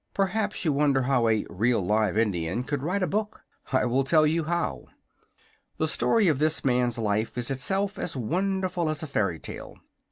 Perhaps you wonder how a "real, live Indian" could write a book. I will tell you how. The story of this man's life is itself as wonderful as a fairy tale.